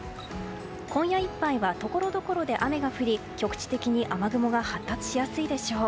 今夜いっぱいはところどころで雨が降り局地的に雨雲が発達しやすいでしょう。